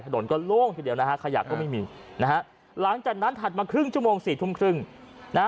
ถนนก็โล่งทีเดียวนะฮะขยะก็ไม่มีนะฮะหลังจากนั้นถัดมาครึ่งชั่วโมงสี่ทุ่มครึ่งนะฮะ